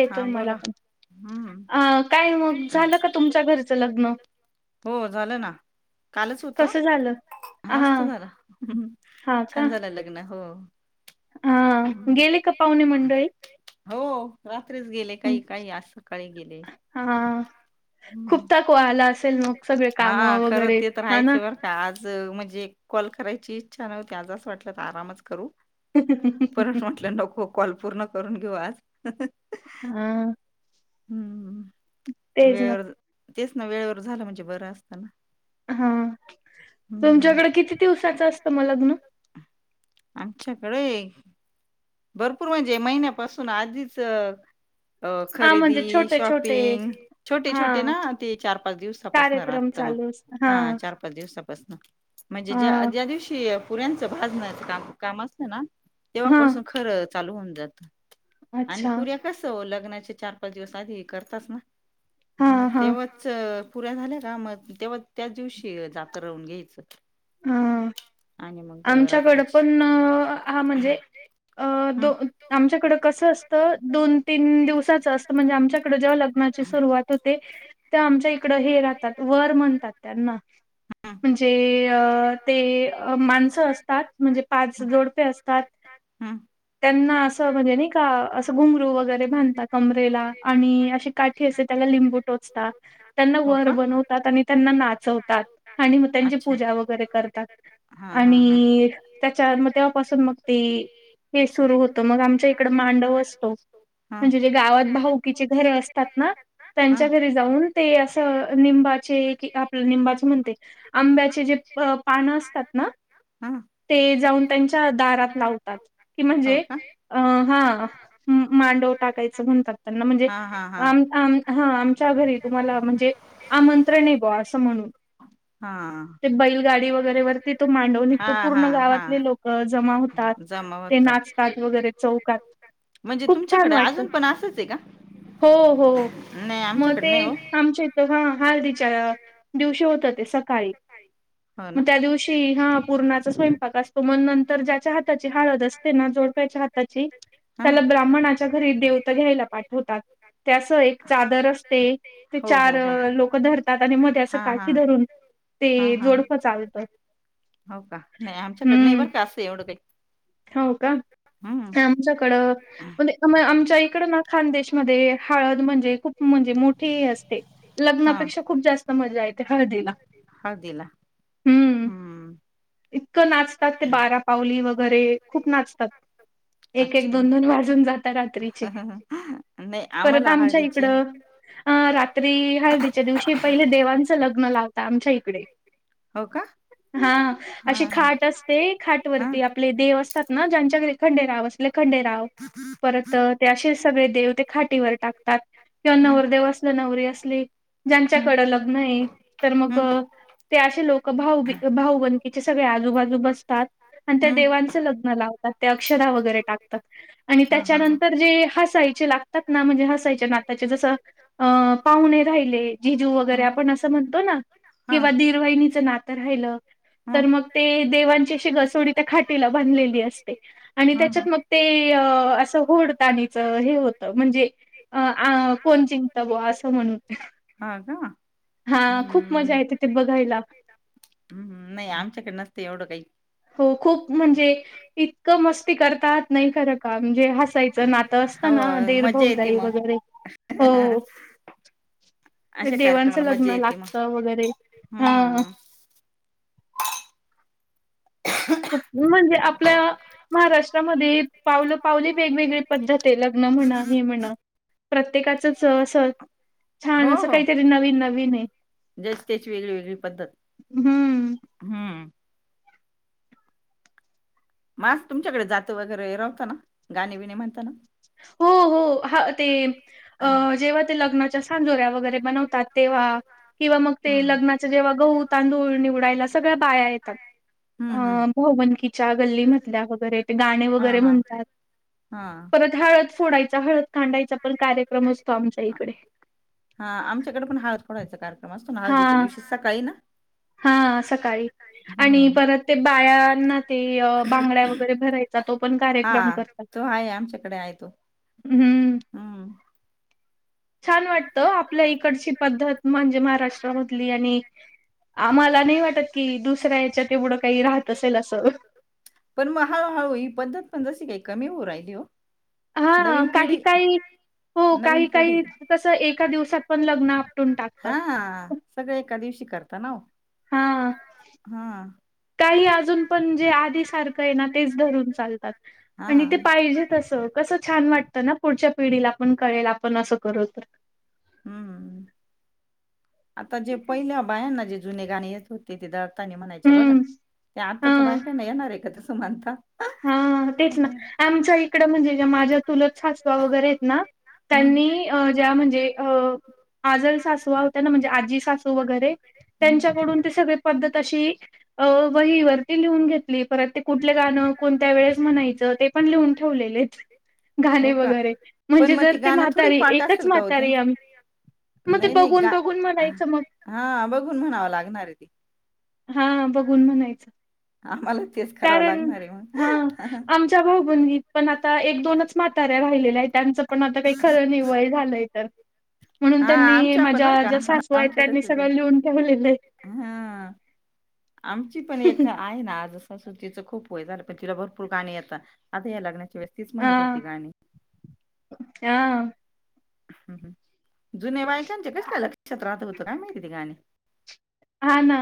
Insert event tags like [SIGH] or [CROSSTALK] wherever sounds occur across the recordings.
येतोय हा मला बोला पण हम् अ काय मग झालं का तुमच्या घरचं लग्न हो झालं ना कालच होत कसं झालं हा मस्त झालं हा का छान झालं लग्न हो. हा हम्म. गेले का पाहुणे मंडळी. हो. रात्रीच गेले, हं, काय आज सकाळी गेले. हा खूप थकवा आला असेल मग सगळे काम वगैरे हा ना करायची इच्छा नव्हती आज असं वाटलं तर आरामच करू. पर हा म्हटलं नको काॅल पूर्ण करु. करून घेऊ आज. हम्मम तेच ना वेळ तेच ना वेळेवर झालं म्हणजे बरं असताना. हा तुमच्याकडे किती दिवसाचं असतं मग लग्न? आमच्याकडे. भरपूर म्हणजे महिन्यापासून आधीच अ हा म्हणजे खरेदी छोटे छोटे शॉपिंग छोटे हा छोटे ना ते चार पाच दिवसापासन कार्यक्रम राहत मग चालू असत हा चार पाच दिवसापासन म्हणजे ज्या हा ज्या दिवशी पुऱ्यांचं भाज न्याच काम काम असतं ना. हा तेव्हापासून चालू होऊन जात आणि अच्छा पुऱ्या कसं होल लग्नाचे चार पाच दिवस आधी हे करतात ना हा हा मत्ेवच पुऱ्या झाल्या का मग तेव्हा त्याच दिवशी जाता राहून घ्यायचं ह आणि मग आमच्याकड रात्रीची पण हा म्हणजे अ दो हम्म आमच्याकड कसं असतं दोन तीन दिवसाचं असतं म्हणजे आमच्याकड जेव्हा लग्नाची सुरुवात होते तेव्हा आमच्या इकड हे राहतात वर म्हणतात त्यांना हम्म म्हणजे अ ते माणसं असतात म्हणजे पाच हम्म जोडपे असतात हम्म त्यांना असं म्हणजे नाही का असं घुमरू वगैरे बांधत कमरेला आणि अे काठी असते त्याला लिंबू टोचतात त्यांना हो वर का? बनवतात आणि त्यांना नाचवतात आणि मग त्यांची पूजा वगैरे करतात हा हा हा आणि त्याच्या तेव्हापासून मग ते हे सुरु होत मग आमच्या इकड मांडव असतो हा म्हणजे जे गावात भाऊकीचे घर असतात ना त्यांच्या हा घरी जाऊन ते असं लिंबाचे आपलं लिंबाचे म्हणते आंब पान असतात ना हा ते जाऊन त्यांच्या दारात लाव कि हो म्हणजे का अ हा मांडव टाकायचं म्हणतात त्यांना म्हणजे हा हा हा आम हा आमच्या घरी तुम्हाला म्हणजे आमंत्रण येतो असं म्हणून हा. ते बैलगाडी वगैरे वरती तो मांडव हा निघतो हा पूर्ण हा गावातले लोक जमा होतात जमा ते होतात नाचतात वगैरे चौकात म्हणजे खूप छान तुमच्याकडे वाटत अजून पण असंच आहे का? हो हो नाही मग आमच्याकडे ते नाही हो आमच्या इथ हा हळदीच्या दिवशी होत ते सकाळी हो ना मग त्या दिवशी हा पूर्णाचा स्वयंपाक असतो मग नंतर ज्याच्या हात हाची हळद असते ना जोडप्याच्या हाताची हा त्याला ब्राह्मणाच्या घरी देवता घ्यायला पाठवतात त्यास एक चादर असते ते हो चार हो हो. लोक धरतात आणि मध्ये अस हा हा काठी धरून हा ते हा जोडपं चालतं हो का नाही आमच्याकड नाही हम्म बर का असं एवढं काही हो का हम्म. आमच्याकडं मआमच्या इकड ना खानदेश मध्ये हळद म्हणजे खूप म्हणजे मोठी असते हा लग्नापेक्षा खूप जास्त मजा येते हळदीला हळदीला हम्म इतक नाचतात ते बारा पावली वगैरे खूप नाचतात एक एक अच्छा. दोन दोन वाजून जातात रात्रीची नाही परत आम्हाला आमच्या इकड हळदीची अ ्री हळदीच्या दिवशी पहिले देवांचं लग्न लावता आमच्या इकडे हो का हा हा अशी हा खाट असते खाट हा वरती आपले देव अस ज्यांच्याकडे खंडेराव असले खंडेराव परत ते असे सगळे देव ते खाटीवर टाकतात किंवा हम्म नवरदेव असल नवरी असली ज्यांच्याकड हम्म लग्न आहे तर मग हम्म ते असे लोक भाऊी भाऊ बंकीेचे सगळे आजूबाजू बसतात आणि त्या हम्म देवांच लग ात अ वरे टाकतात आणि हा हा हा त्याच्यांतर जे हसायचे लागतात म्हणजे हसायचे ना जस पाहुणे राहिले जजू हा वगरे आपण अस म्हणतो ना किंवा [UNINTELLIGIBLE] नातं राहिलं हा तर मग ते देवांची अशी घसोडी त्या खाटीला बांधलेली. [UNINTELLIGIBLE] आणि हा हा त्याच्यात मग ते अ अस [UNINTELLIGIBLE] हे होत म्हणजेअ आ कोणाची [UNINTELLIGIBLE] म्हणून हा का हा खूप मज्जा हम्म येते. बघायला. नाही आमच्याकडनं नस तेवढं काही. हो खूप म्हणजे इतकं मस् ती करतात नाही खरं का म्हणजे हसायचं नातं हो असतं ना दिर मज्जा येते भाऊजाई मग वगैरे हो अशा देवांचं कार्यक्रमाला मज्जा लग्न येते लागत मग वगैरे हा हम्म [UNINTELLIGIBLE] म्हणजे आपल्या महाराष्ट्रामध्ये पावलं पावली वेगवेगळी पद्धत आहे लग्न म्हणा ही म्हणा प्रत्येकाचच असं छान हो असं हो काहीतरी नवीन नवीन ने ज्याची त्याची वेगळीवेेगळी पद्धत. हम्म हम्. हम्म. मग आता तुमच्याकडे जातं वगैरे रावता ना गाणे बिनी म्हणता ना? हो हो ह ते अ जेव्हा ते लग्नाच्या.... खांजोऱ्या वगैरे बनवतात तेव्हा... किंवा मग ते हम्म लग्नाच जेव्हा गहू तांदूळ निवडायला सगळ्या बाया येतात हम्म हम्म अं भाऊबनकीच्या गल्लीमधल्या वगैरे ते गाणे हा वगैरे हा म्हणतात. हा हळद फोडायचा हळद खांडायचा पण कार्यक्रम असतो आमच्या इकडे.... हा आमच्याकडे पण हळद फोडायचा कार्यक्रम असतो ना हा हळदीच्या दिवशी सकाळी ना... हा सकाळी आणि हम्म. परत ते बाया... [UNINTELLIGIBLE] ते बांगड्या वगैरे भरायचा तो पण कार्यक्रम हा करतात तो आहे आमच्याकडे आहे तो हम्म... हम्म छान वाटतं आपल्या इकडची पद्धत म्हणजे महाराष्ट्रामधली आणि आम्हाला नाही वाटत कि दुसऱ्यायाच्या तेवढं काही राहत असेल असं.... पण मग हळूहळू ही पद्धत पण जशी काही कमी होइ.. [UNINTELLIGIBLE] देऊ हा काही काही हो नवीन काही पिढी काही तस एक... एका दिवसात पण लग्न.... हा टाकतात सगळे एकादवशी.... करता नाऊ... हा हा.... काही अजून पण जे आधी सारखं आहे ना तेच धरून चालतात.... हा आणि ते पाहिजे तस कस छान वाटत... ना पुढच्या पिढीला आपण कळेल आपण असं करू तर.. हम्म आता जे पहिल्या बायांना जे... जुने गाणी येत होते तिथ.. म्हणायच्या बघा हम्म ते आत्ताच्या हा बायकांना येणार आहे का तस... सुमता... हा तेच ना आमच्या इकडं म्हणजे... माझ्या... चुलत सासवा वगैरे आहेत ना त्यांनी ज्या म्हणजे अ... आजल सासवा होत्या ना म्हणजे आजी सासू वगैरे हम्म त्यांच्याकडून ते सगळी पद्धत अशी.... अ वहीवरती लिहून घेतली परत ते कुठले गाणं... कोणत्या वेळेस म्हणायचं ते पण लिहून ठेवलेलेत... गाणे हो का वगैरे पण म्हणजे मग ती जर ते गाणं थोडी म्हातारी पाठ एकच असेल का ओ म्हातारी आम्ही त्याना मग ते नाही नाही बघून गा बघून म्हणायचं मग हा बघून म्हणावं लागणार आहे ती... हा बघून म्हणायचं. आम्हाला तेच करावा कारण लागणार आहे मग हा आमच्या भाऊ गुगीत पण आता एक दोनच म्हाताऱ्या राहिलेल्यात त्यांच पण पण आता काही खरं नाही वय झालंय तर म्हणून हा त्यांनी आमच्या पण बर माझ्या का ज्या सासू आहेत आमच्यातच त्यांनी सगळं लिहून ठेवलेलं आहे. हा आमची पण एक आहे ना आजच. सासू तिचं खूप वय झालं पण तिला भरपूर गाणी येतात आता या लग्न त्त्यावेळी तीच म्हणत होती हा गाणी हा. हम्म हम्. जुन्या बायकांचे कस काय लक्षात राहत होते. त काय म्हणतीती गाणी हा ना?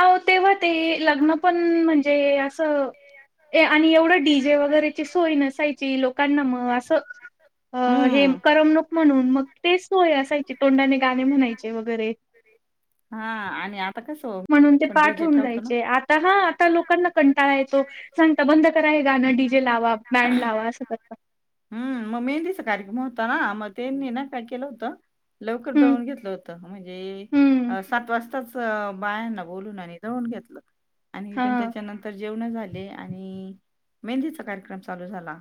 अहो ते होते ते लग्न पण म्हणजे अस आणि एवढ डी जे वगैरेची सोय नसायची लोकांना मग असं हे हम्म करमणूक म्हणून मग ते सोय असायची तोंडाने गाणे म्हणायचे वगैरे हा आणि आता कसं म्हणून ते आपण डी जे पाठवून ठेवतो ना जायचे आता हा आता लोकांना कंटाळा येतो सांगता बंद आहे ना डी जे लावा बँड लावा अस करतात. हम्म, मग मेहंदीचा कार्यक्रम होता ना मग तेनी ना काय केलं होतं. लवकर हम्म दळून घेतलं होत म्हणजे हम्म सात वाजताच. बायांना बोलून नि जळून घेतलं. आणि हा पण त्याच्या नंतर जेवण झाले आणि मेहंदीचा कार्यक्रम चालू झाला.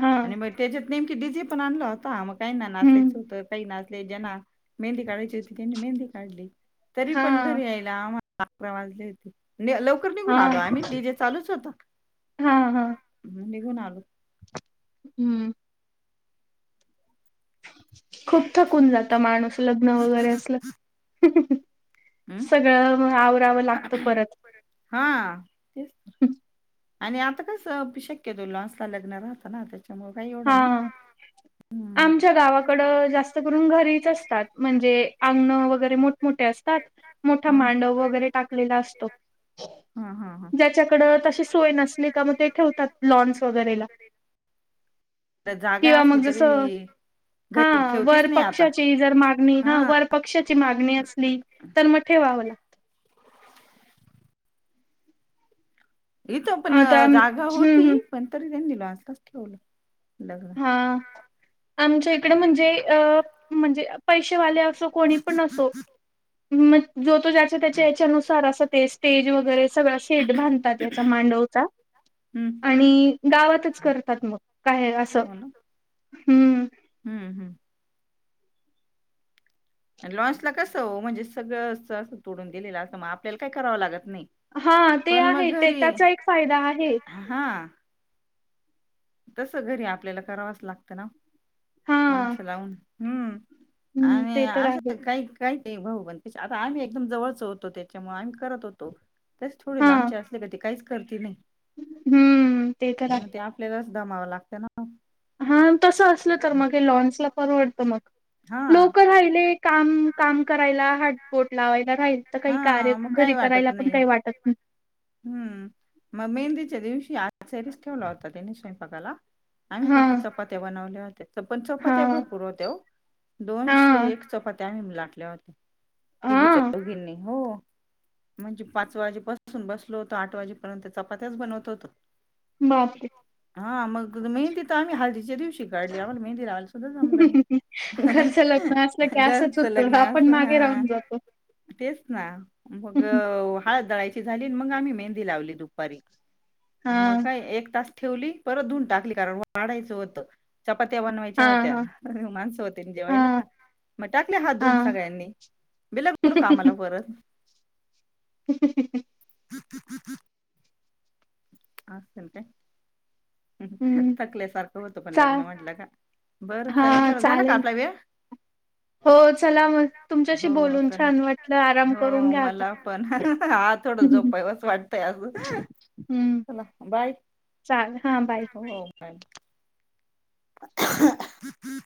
हा आणि मग त्याच्यात नाही डीझी पण आणल आता काही नासायच हम्म होत काही ना जना मेंदी कााच होती त्यांन मेंदी झाली. तरी हा पण घरी यायला आ अकरा वाजले तेे लवकर निघून हा आलो आम्ही डी जे चालूच होत. हा हा [UNINTELLIGIBLE] हम्म खूप थकून जात माणूस लग्न वगैरे असलं हं, सगळं आवरावं लागतं परत हां, तेच आणि आता कस शक्यतो लसला लग्न राहता ना त्या हा हम्म. आमच्या गावाकड जास्त करून घरीच असत ात म्हणजे अंगण वगैरे मोठमोठे असतात मोठा हां. मांडव वगैरे टाकलेला असतो हां, हां, हां. ज्याच्याकड तशी सोय नसणे का मग ते ठेवतात लॉन्स वगैरेला तर जागा किंवा असली मग जस तरी हा घरी ठेवतीच वर नाही आता. पक्षाची जर मागणी हा हां. वर पक्ष मागणी असली तर म ठेवाला इथं पण आता हम्म जागा होती हम्म पण तरी त्यांनी लाच ठेवलं लग्न. हा आमच्या इकड म्हणजे अ म्हणजे पैसे वाले अस कोणी पण असो म जो त त्या याच्यानुसार अस ते स्टेज वगैरे सग सेट बांधतात याचा मांडवचा हं. आणि गावातच करतात मग काय अस ब ना हम्म हम्म आणि लॉन्सला कसं हो म्हणजे सगळं असं असं तोडून दिलेलं असतं मग आपल्याला काय करावं लागत नाही. हा ते पण मग आहे ते घरी त्याचा एक फायदा आहे. हां, तसं घरी आपल्याला करावंच लागतं ना. हा माणसं लावून. हम्म. हम्म आणि ते तर आहे काही काही ते भाऊ पण कसे आता आम्ही एकदम जवळचे होतो त्याच्यामुळे आम्ही करत होतो. तेच थोडे हा लांबचे असले तर ते काहीच करते नाही. हम्म ते तर आहे. तस दमावं लागतं ना. हां. तसं असलं तर मग हे लॉन्सला परवडतं मग. हा लोकं राहिले ते काम काम करायला हातबोट लावाय राहील, तर काही कार्य हा मग काही घरी वाटत करायला पण नाही काही वाटत नाही. हम्म. मग मेहंदीच्या दिवशी आचारीच ठेवला होता त्यांनी स्वय. बघायला. आम्ही हा फक्त चपात्या बनवल्या हो त्यापण चपात्या हा भरपूर होत्या ओ, दोनशे हा एक चपाती. त्यांनी लाटल्या होत्या. तिघी हा चौघींनी हो. म्हणजे पाच वाजेपसून बस लो होतो. आठ वाजेपर्यंत चपात्याच बनवत होतो. बापरे. हा मग नाही तिथं आम्ही हळदीच्या दिवशी ते काढल्यावर मेहंदी लावायला सुद्धा जमलं घरचं लग्न असलं की नाही. असंच घरचं होतं लग्न आपण असं मागे हा. राहून जातो तेच ना मग हळद दळायची झाली मग आम्ही मेहंदी लावली दुपारी. मग हा काय एक तास ठेवली परत धुऊन टाकली, कारण वाढायचं होतं. चपात्या हा बनवायच्या होत्या. हा माणसं होते ना हा जेवायला, मग टाकले हात हा धुवून सगळ्यांनी. मिलखालो कामाला परत. [INAUDIBLE] असंल काय? हम्म थकल्यासारखं होतं पण चा लग्न म्हंटलं का. बरं हा चालेल चला झालं का चालेल आपला वेळ? हो चला मग तुमच्याशी हो बोलून चला छान वाटलं आराम करून हो घ्या आता मला पण हा थोडं झोपावच वाटतंय आज हम्म चला बाय चालेल हां बाय हो बा ह